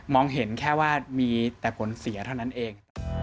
เห็นแค่ว่ามีแต่ผลเสียเท่านั้นเอง